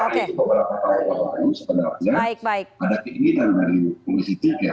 sebenarnya pada keinginan dari komisi tiga